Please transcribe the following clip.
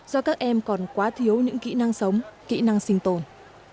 do các em còn quá thiếu những kỹ năng sống kỹ năng sinh tồn